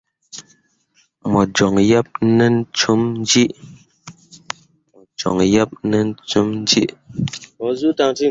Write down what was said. Mo joŋ yeb nen cum gǝǝai.